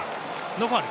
ノーファウル。